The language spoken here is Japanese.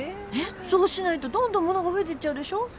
ねっそうしないとどんどん物が増えていっちゃうでしょ。